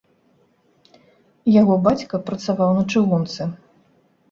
Яго бацька працаваў на чыгунцы.